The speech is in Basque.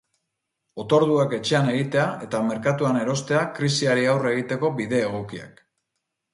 Otorduak etxean egitea eta merkatuan erostea krisiari aurre egiteko bide egokiak.